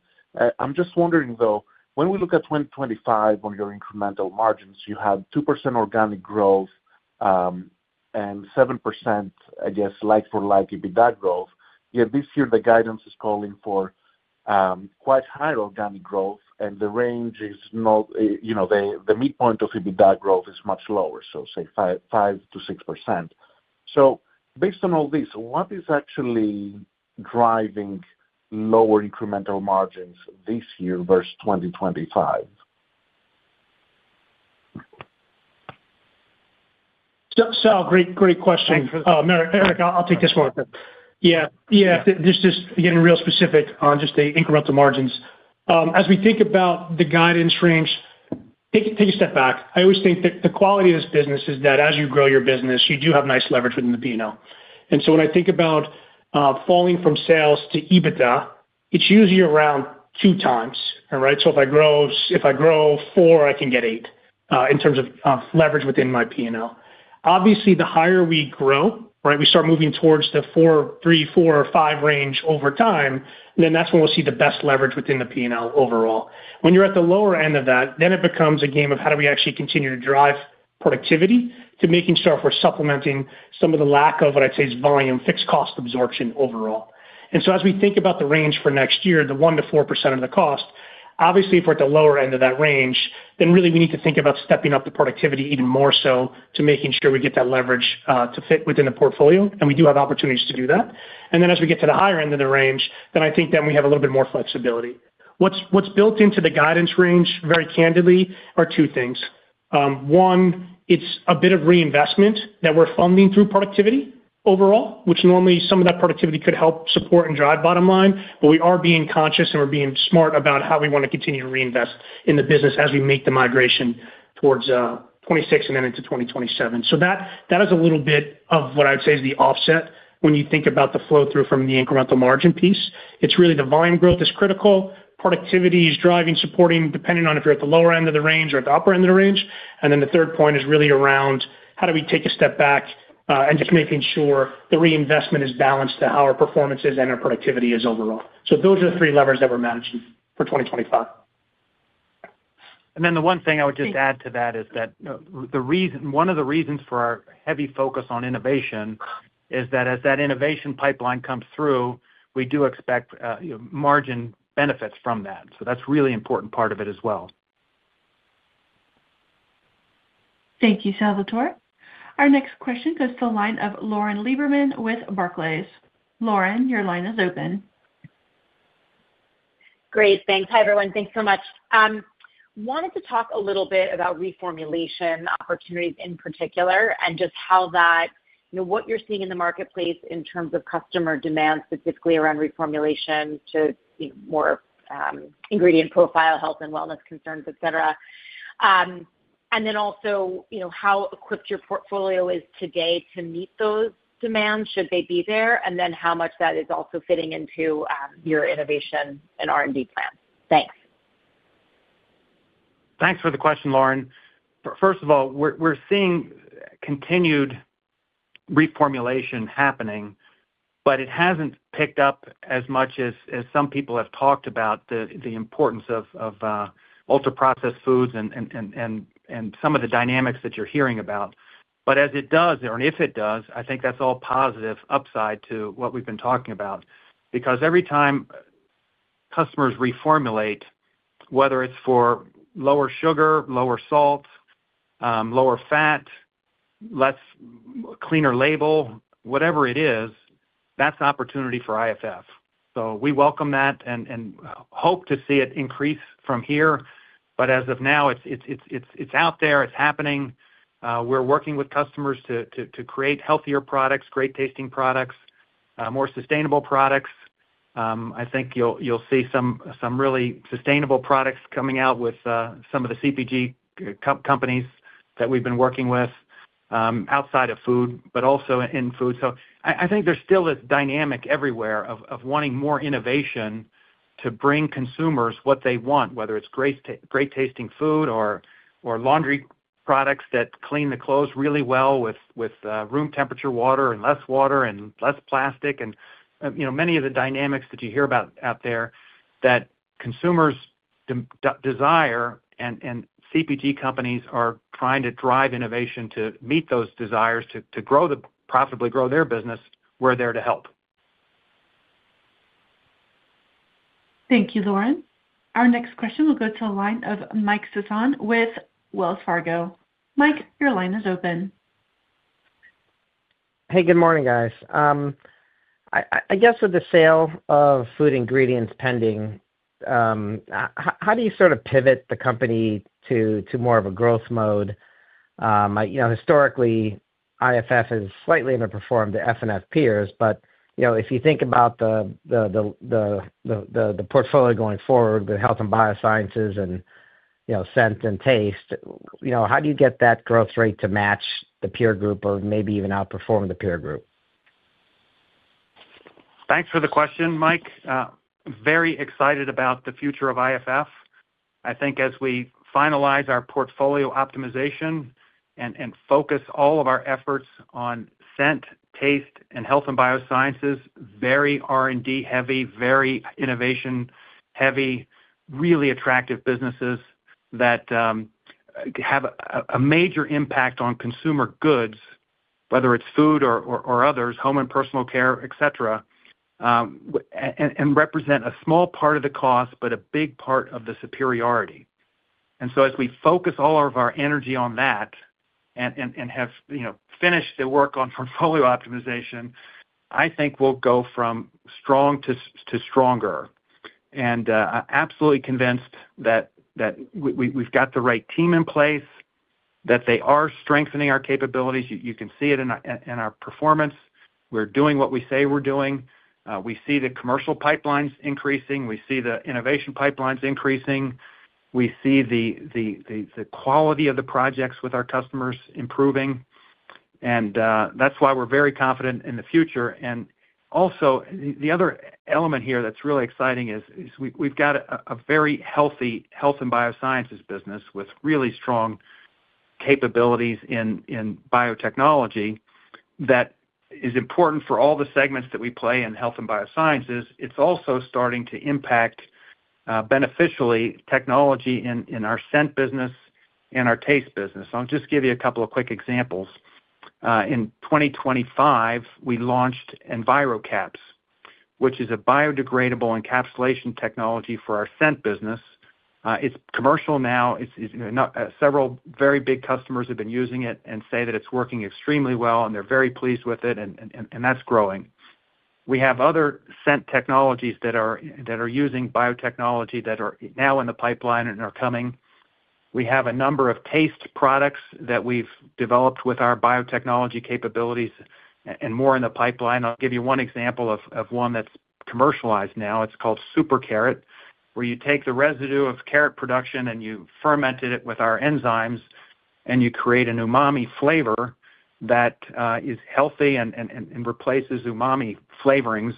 I'm just wondering, though, when we look at 2025 on your incremental margins, you have 2% organic growth, and 7%, I guess, like for like, EBITDA growth, yet this year, the guidance is calling for quite high organic growth, and the range is not, you know, the midpoint of EBITDA growth is much lower, so say 5%-6%. So based on all this, what is actually driving lower incremental margins this year versus 2025? Sal, great, great question. Thanks for- Erik, I'll take this one. Yeah, yeah, this just, again, real specific on just the incremental margins. As we think about the guidance range, take a step back. I always think that the quality of this business is that as you grow your business, you do have nice leverage within the P&L. And so when I think about falling from sales to EBITDA, it's usually around 2x. All right, so if I grow 4%, I can get 8% in terms of leverage within my P&L. Obviously, the higher we grow, right, we start moving towards the 4x, 3x, 4x, or 5x range over time, then that's when we'll see the best leverage within the P&L overall. When you're at the lower end of that, then it becomes a game of how do we actually continue to drive productivity to making sure we're supplementing some of the lack of what I'd say is volume, fixed cost absorption overall. And so as we think about the range for next year, the 1%-4% of the cost, obviously, if we're at the lower end of that range, then really we need to think about stepping up the productivity even more so to making sure we get that leverage, to fit within the portfolio, and we do have opportunities to do that. And then as we get to the higher end of the range, then I think then we have a little bit more flexibility. What's built into the guidance range, very candidly, are two things. One, it's a bit of reinvestment that we're funding through productivity overall, which normally some of that productivity could help support and drive bottom line, but we are being conscious, and we're being smart about how we want to continue to reinvest in the business as we make the migration towards 2026 and then into 2027. So that, that is a little bit of what I'd say is the offset when you think about the flow through from the incremental margin piece. It's really the volume growth is critical. Productivity is driving, supporting, depending on if you're at the lower end of the range or at the upper end of the range. And then the third point is really around how do we take a step back and just making sure the reinvestment is balanced to how our performance is and our productivity is overall. Those are the three levers that we're managing for 2025. The one thing I would just add to that is that one of the reasons for our heavy focus on innovation is that as that innovation pipeline comes through, we do expect, you know, margin benefits from that. So that's a really important part of it as well. Thank you, Salvator. Our next question goes to the line of Lauren Lieberman with Barclays. Lauren, your line is open. Great. Thanks. Hi, everyone. Thanks so much. Wanted to talk a little bit about reformulation opportunities in particular, and just how that, you know, what you're seeing in the marketplace in terms of customer demand, specifically around reformulation to more, ingredient profile, health and wellness concerns, et cetera. And then also, you know, how equipped your portfolio is today to meet those demands, should they be there, and then how much that is also fitting into, your innovation and R&D plan? Thanks. Thanks for the question, Lauren. First of all, we're seeing continued reformulation happening, but it hasn't picked up as much as some people have talked about the importance of ultra-processed foods and some of the dynamics that you're hearing about. But as it does, or if it does, I think that's all positive upside to what we've been talking about. Because every time customers reformulate, whether it's for lower sugar, lower salt, lower fat, less, cleaner label, whatever it is, that's opportunity for IFF. So we welcome that and hope to see it increase from here. But as of now, it's out there, it's happening. We're working with customers to create healthier products, great tasting products, more sustainable products. I think you'll see some really sustainable products coming out with some of the CPG companies that we've been working with, outside of food, but also in food. I think there's still this dynamic everywhere of wanting more innovation to bring consumers what they want, whether it's great tasting food or laundry products that clean the clothes really well with room temperature water and less water and less plastic. You know, many of the dynamics that you hear about out there that consumers desire and CPG companies are trying to drive innovation to meet those desires to profitably grow their business, we're there to help. Thank you, Lauren. Our next question will go to the line of Mike Sison with Wells Fargo. Mike, your line is open. Hey, good morning, guys. I guess with the sale of Food Ingredients pending, how do you sort of pivot the company to more of a growth mode? You know, historically, IFF has slightly underperformed the F&F peers, but, you know, if you think about the portfolio going forward, the Health & Biosciences and, you know, Scent and Taste, you know, how do you get that growth rate to match the peer group or maybe even outperform the peer group? Thanks for the question, Mike. Very excited about the future of IFF. I think as we finalize our portfolio optimization and, and focus all of our efforts on Scent, Taste, and Health & Biosciences, very R&D heavy, very innovation heavy, really attractive businesses that have a major impact on consumer goods, whether it's food or, or, or others, Home & Personal Care, et cetera, and, and, and represent a small part of the cost, but a big part of the superiority. And so as we focus all of our energy on that and, and, and have, you know, finished the work on portfolio optimization, I think we'll go from strong to stronger. And I'm absolutely convinced that we’ve got the right team in place, that they are strengthening our capabilities. You can see it in our performance. We're doing what we say we're doing. We see the commercial pipelines increasing. We see the innovation pipelines increasing. We see the quality of the projects with our customers improving, and that's why we're very confident in the future. And also, the other element here that's really exciting is we've got a very healthy Health & Biosciences business with really strong capabilities in biotechnology that is important for all the segments that we play in Health & Biosciences. It's also starting to impact beneficially technology in our Scent business and our Taste business. I'll just give you a couple of quick examples. In 2025, we launched EnviroCap, which is a biodegradable encapsulation technology for our Scent business. It's commercial now. It's, you know, not several very big customers have been using it and say that it's working extremely well, and they're very pleased with it, and, and, and, and that's growing. We have other Scent technologies that are, that are using biotechnology, that are now in the pipeline and are coming. We have a number of Taste products that we've developed with our biotechnology capabilities and more in the pipeline. I'll give you one example of, of one that's commercialized now. It's called Super Carrot, where you take the residue of carrot production, and you ferment it with our enzymes, and you create an umami flavor that is Healthy and, and, and replaces umami flavorings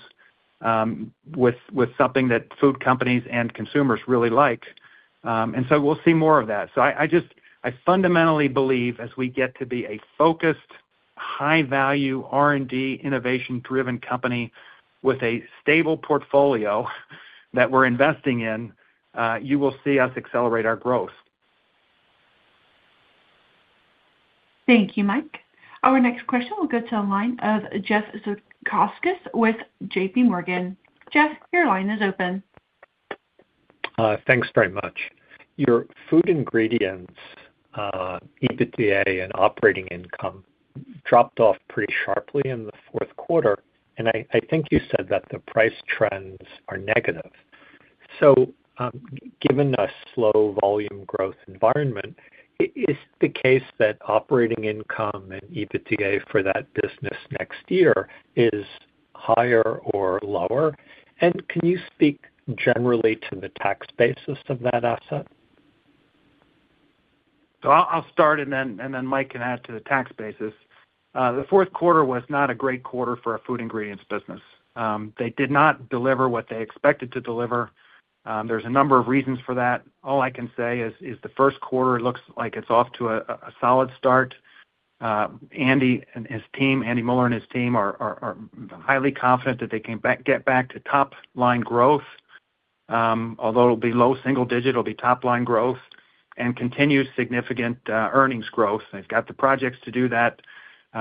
with, with something that food companies and consumers really like. And so we'll see more of that. So I just, I fundamentally believe as we get to be a focused, high-value, R&D, innovation-driven company with a stable portfolio that we're investing in, you will see us accelerate our growth. Thank you, Mike. Our next question will go to the line of Jeff Zekauskas with JPMorgan. Jeff, your line is open. Thanks very much. Your Food Ingredients EBITDA and operating income dropped off pretty sharply in the fourth quarter, and I think you said that the price trends are negative. So, given a slow volume growth environment, is the case that operating income and EBITDA for that business next year is higher or lower? And can you speak generally to the tax basis of that asset? So I'll start, and then Mike can add to the tax basis. The fourth quarter was not a great quarter for our Food Ingredients business. They did not deliver what they expected to deliver. There's a number of reasons for that. All I can say is the first quarter looks like it's off to a solid start. Andy and his team, Andy Muller and his team, are highly confident that they can get back to top line growth, although it'll be low single-digit, it'll be top line growth and continued significant earnings growth. They've got the projects to do that.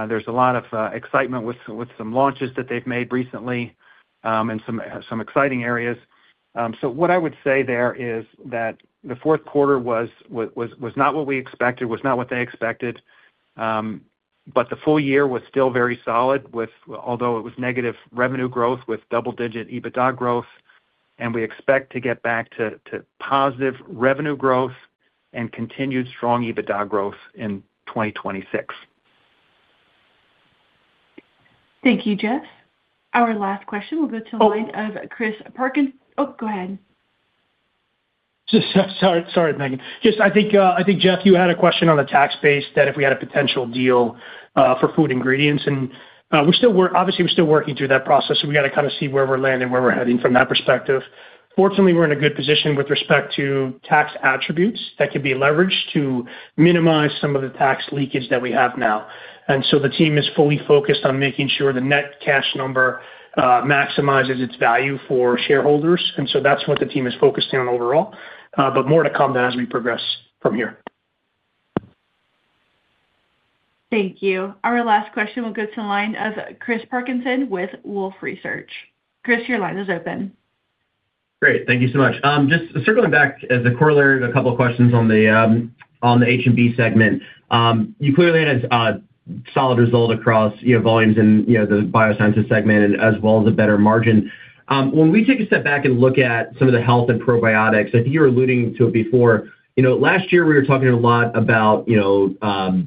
There's a lot of excitement with some launches that they've made recently, and some exciting areas. So what I would say there is that the fourth quarter was not what we expected, was not what they expected, but the full year was still very solid, with although it was negative revenue growth with double-digit EBITDA growth, and we expect to get back to positive revenue growth and continued strong EBITDA growth in 2026. Thank you, Jeff. Our last question will go to the line of Chris Parkinson. Oh, go ahead. Just, sorry, sorry, Megan. Just I think, I think, Jeff, you had a question on the tax base, that if we had a potential deal for Food Ingredients, and we're still working through that process, so we gotta kind of see where we're landing, where we're heading from that perspective. Fortunately, we're in a good position with respect to tax attributes that could be leveraged to minimize some of the tax leakage that we have now. And so the team is fully focused on making sure the net cash number maximizes its value for shareholders, and so that's what the team is focused on overall. But more to come as we progress from here. Thank you. Our last question will go to the line of Chris Parkinson with Wolfe Research. Chris, your line is open. Great. Thank you so much. Just circling back to the corollary, a couple of questions on the H&B segment. You clearly had a solid result across, you know, volumes and, you know, the biosciences segment, as well as a better margin. When we take a step back and look at some of the Health and probiotics, I think you were alluding to it before. You know, last year we were talking a lot about, you know,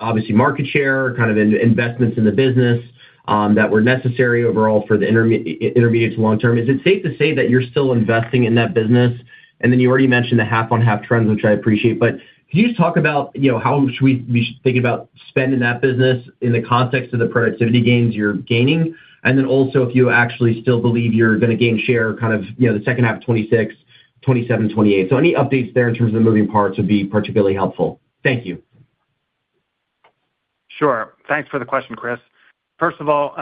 obviously market share, kind of investments in the business that were necessary overall for the intermediate to long term. Is it safe to say that you're still investing in that business? And then you already mentioned the half-on-half trends, which I appreciate. But could you just talk about, you know, how much we, we should think about spend in that business in the context of the productivity gains you're gaining? And then also, if you actually still believe you're gonna gain share, kind of, you know, the second half of 2026, 2027, 2028. So any updates there in terms of the moving parts would be particularly helpful. Thank you. Sure. Thanks for the question, Chris. First of all,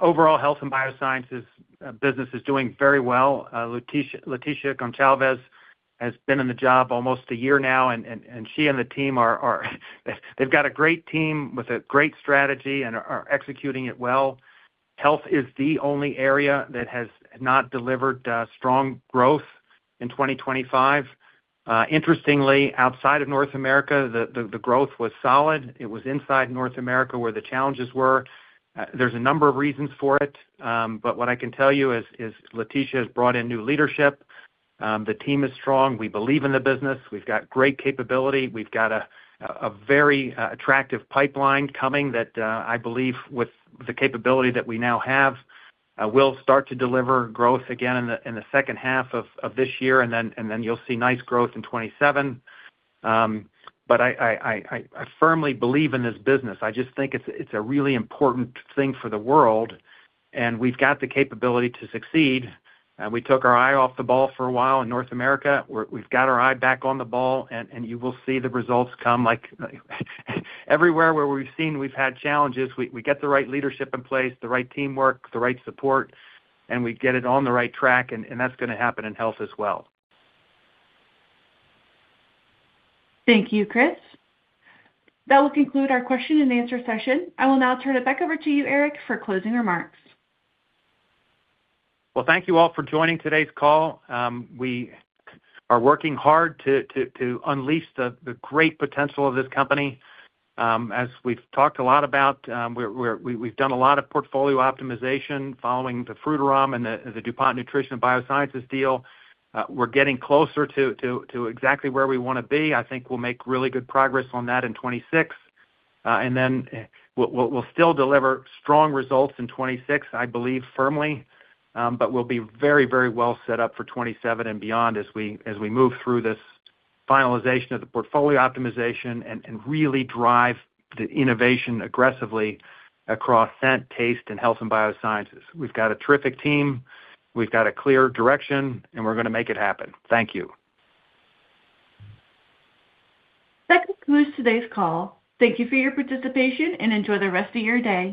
overall Health & Biosciences business is doing very well. Leticia Gonçalves has been in the job almost a year now, and she and the team are—they've got a great team with a great strategy and are executing it well. Health is the only area that has not delivered strong growth in 2025. Interestingly, outside of North America, the growth was solid. It was inside North America, where the challenges were. There's a number of reasons for it, but what I can tell you is Leticia has brought in new leadership. The team is strong. We believe in the business. We've got great capability. We've got a very attractive pipeline coming that I believe with the capability that we now have will start to deliver growth again in the second half of this year, and then you'll see nice growth in 2027. But I firmly believe in this business. I just think it's a really important thing for the world, and we've got the capability to succeed, and we took our eye off the ball for a while in North America. We've got our eye back on the ball, and you will see the results come, like, everywhere where we've had challenges, we get the right leadership in place, the right teamwork, the right support, and we get it on the right track, and that's gonna happen in Health as well. Thank you, Chris. That will conclude our question-and-answer session. I will now turn it back over to you, Erik, for closing remarks. Well, thank you all for joining today's call. We are working hard to unleash the great potential of this company. As we've talked a lot about, we're, we've done a lot of portfolio optimization following the Frutarom and the DuPont Nutrition & Biosciences deal. We're getting closer to exactly where we wanna be. I think we'll make really good progress on that in 2026. And then, we'll still deliver strong results in 2026, I believe firmly. But we'll be very, very well set up for 2027 and beyond as we move through this finalization of the portfolio optimization and really drive the innovation aggressively across Scent, Taste, and Health & Biosciences. We've got a terrific team, we've got a clear direction, and we're gonna make it happen. Thank you. That concludes today's call. Thank you for your participation, and enjoy the rest of your day.